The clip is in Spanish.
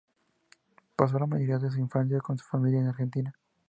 Pasó la mayoría de su infancia con su familia en Argentina.